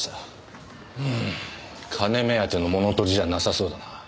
金目当ての物取りじゃなさそうだな。